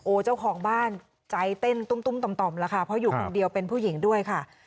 เจ้าของบ้านใจเต้นตุ้มต่อมแล้วค่ะเพราะอยู่คนเดียวเป็นผู้หญิงด้วยค่ะ